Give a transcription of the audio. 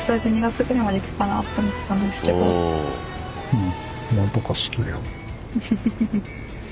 うん。